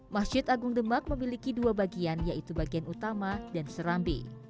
masjid agung demak memiliki dua bagian yaitu bagian utama dan serambi